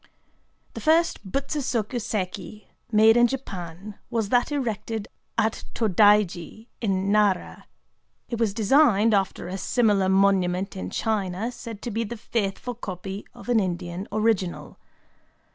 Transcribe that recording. The first Butsu soku séki made in Japan was that erected at Tōdaiji, in Nara. It was designed after a similar monument in China, said to be the faithful copy of an Indian original.